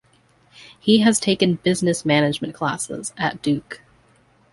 He has taken Business Management classes at Duke.